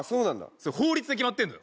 それ法律で決まってんのよ